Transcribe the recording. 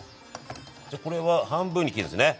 じゃあこれは半分に切るんですね？